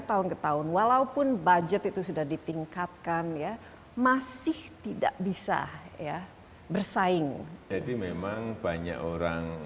tahun ke tahun walaupun budget itu sudah ditingkatkan ya masih tidak bisa ya bersaing jadi memang banyak orang